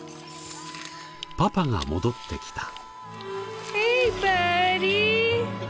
パパが戻ってきた。